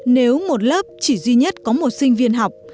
nếu một lớp chỉ duy nhất có một sinh viên học